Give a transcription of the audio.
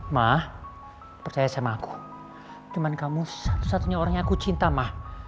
ma percaya sama aku dimana kamu satu satunya orang yang aku cinta ma